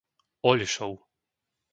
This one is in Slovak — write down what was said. Oľšov